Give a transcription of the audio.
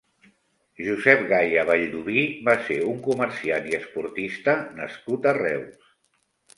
Josep Gaya Vallduví va ser un comerciant i esportista nascut a Reus.